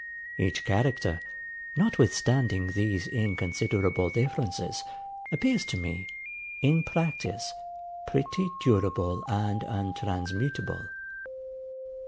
Each character, notwithstanding these inconsiderable differences, appears to me, in practice, pretty durable and untransmutable.